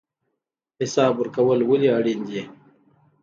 حساب ورکول ولې اړین دي؟